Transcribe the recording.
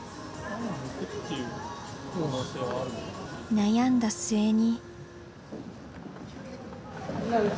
悩んだ末に。